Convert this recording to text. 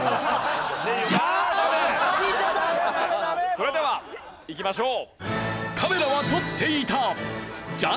それではいきましょう。